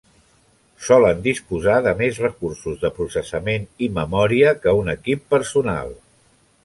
Solen disposar de més recursos de processament i memòria que un equip personal.